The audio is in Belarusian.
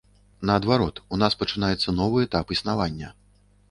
Наадварот, у нас пачынаецца новы этап існавання.